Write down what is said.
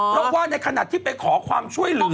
เพราะว่าในขณะที่ไปขอความช่วยเหลือ